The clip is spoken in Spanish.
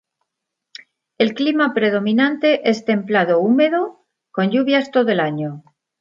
El clima predominante es templado húmedo con lluvias todo el año.